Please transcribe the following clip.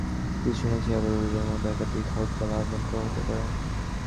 কিন্তু শুনেছি, আবারও রোজার মধ্যে একাধিক হরতাল আহ্বান করা হতে পারে।